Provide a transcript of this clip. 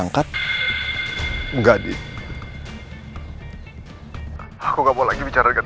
om kangen sama rena